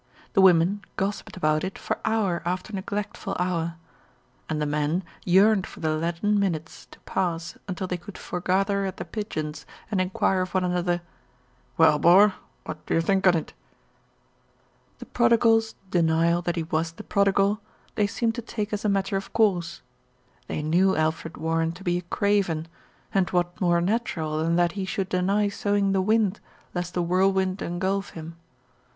The women gossiped about it for hour after neglectful hour, and the men yearned for the leaden minutes to pass until they could foregather at The Pigeons and en quire of one another, "Well, bor, wot d'you think on it?" The prodigal's denial that he was the prodigal, they seemed to take as a matter of course. They knew Alfred Warren to be a craven, and what more natural than that he should deny sowing the wind, lest the whirlwind engulf him.